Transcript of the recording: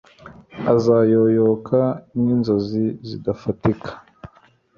azayoyoka nk'inzozi zidafatika